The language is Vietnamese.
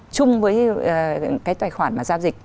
chung với cái tài khoản mà giao dịch